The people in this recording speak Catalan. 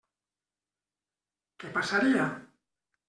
Què passaria?